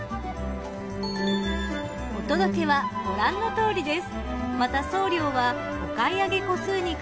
お届けはご覧のとおりです。